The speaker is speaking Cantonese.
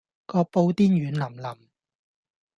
個布甸軟腍腍